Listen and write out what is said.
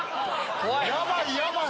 ヤバいヤバい！